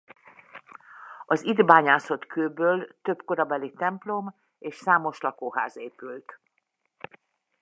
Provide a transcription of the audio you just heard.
Az itt bányászott kőből több korabeli templom és számos lakóház épült.